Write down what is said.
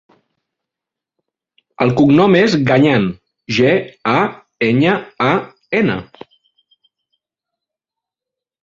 El cognom és Gañan: ge, a, enya, a, ena.